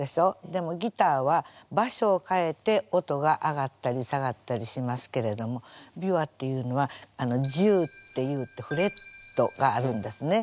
でもギターは場所を変えて音が上がったり下がったりしますけれども琵琶っていうのは柱っていうてフレットがあるんですね。